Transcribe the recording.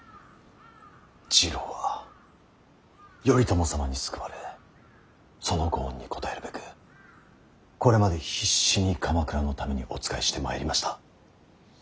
次郎は頼朝様に救われそのご恩に応えるべくこれまで必死に鎌倉のためにお仕えしてまいりました。